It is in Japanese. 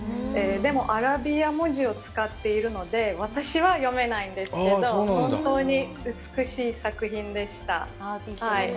でも、アラビア文字を使っているので、私は、読めないんですけど、本当に美しい作品でした。